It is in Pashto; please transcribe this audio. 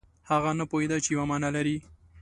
هغه نه پوهېده چې یوه معنا لري.